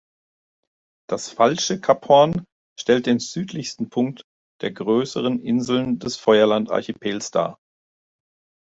Das Falsche Kap Hoorn stellt den südlichsten Punkt der größeren Inseln des Feuerland-Archipels dar.